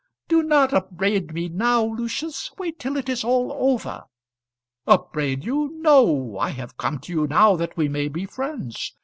"Do not upbraid me now, Lucius. Wait till it is all over." "Upbraid you! No. I have come to you now that we may be friends.